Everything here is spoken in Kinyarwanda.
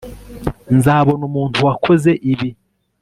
nzabona umuntu wakoze ibi